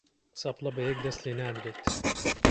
چەپڵە بە یەک دەست لێ نادرێت